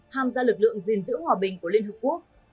tham gia lực lượng gìn giữ hòa bình của liên hợp quốc